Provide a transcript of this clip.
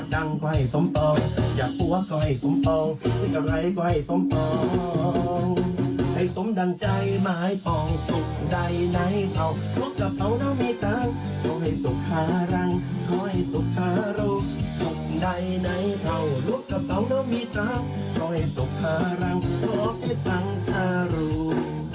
ถูกต่อไปดู